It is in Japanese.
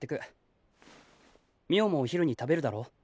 美桜もお昼に食べるだろ。